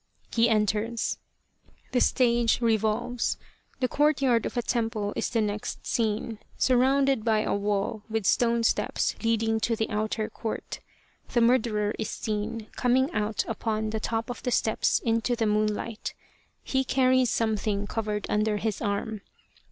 He enters. The stage revolves. The courtyard of a temple is the next scene, surrounded by a wall with stone steps leading up to the outer court. The murderer is seen coming out upon the top of the steps into the moon light : he carries something covered under his arm.